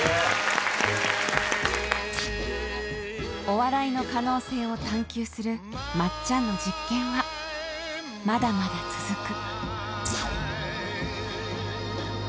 ［お笑いの可能性を探求する松ちゃんの実験はまだまだ続く］